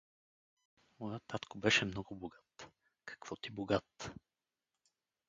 Моят татко беше много богат… Какво ти богат!